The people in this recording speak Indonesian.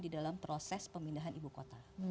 di dalam proses pemindahan ibu kota